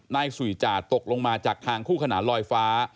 สุยจ่าตกลงมาจากทางคู่ขนานลอยฟ้า